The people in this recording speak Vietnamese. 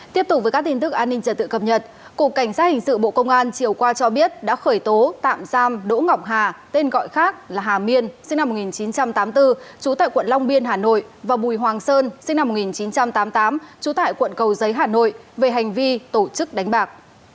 tiếp tục với các tin tức an ninh trật tự cập nhật cục cảnh sát hình sự bộ công an chiều qua cho biết đã khởi tố tạm giam đỗ ngọc hà tên gọi khác là hà miên sinh năm một nghìn chín trăm tám mươi bốn trú tại quận long biên hà nội và bùi hoàng sơn sinh năm một nghìn chín trăm tám mươi tám trú tại quận cầu giấy hà nội về hành vi tổ chức đánh bạc